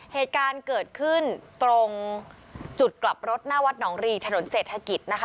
เหตุการณ์เกิดขึ้นตรงจุดกลับรถหน้าวัดหนองรีถนนเศรษฐกิจนะคะ